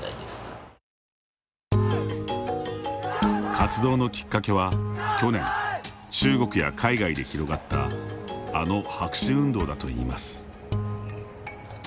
活動のきっかけは去年、中国や海外で広がったあの白紙運動だといいます。